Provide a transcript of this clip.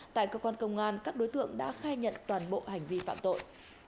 tại cơ quan công an các đối tượng đã khai nhận toàn bộ hành vi phạm tội